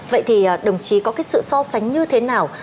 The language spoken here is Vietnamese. vậy thì đồng chí có cái sự so sánh như thế nào